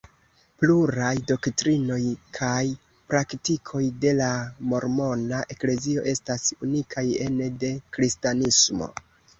Pluraj doktrinoj kaj praktikoj de la mormona eklezio estas unikaj ene de kristanismo.